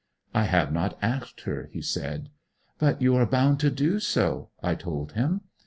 'I have not asked her,' he said. 'But you are bound to do so,' I told him.